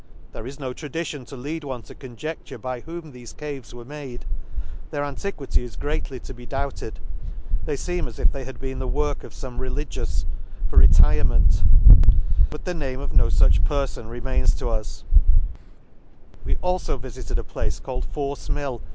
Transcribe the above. — There is no tradition to lead one to conjecture by whom thefe caves were made; — their antiquity is greatly to be doubted ; they feem as if they had been the work of fome religious, for retirement ; but the name of no fuch perfon remains to us, *— We alfo vifited a place called Force Mill?